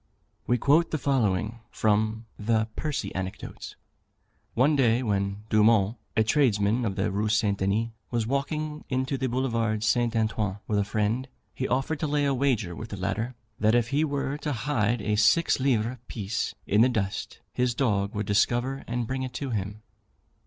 We quote the following from the "Percy Anecdotes:" "One day, when Dumont, a tradesman of the Rue St. Denis, was walking in the Boulevard St. Antoine with a friend, he offered to lay a wager with the latter, that if he were to hide a six livre piece in the dust, his dog would discover and bring it to him.